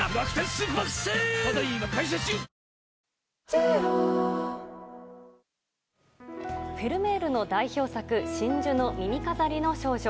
キッコーマンフェルメールの代表作「真珠の耳飾りの少女」。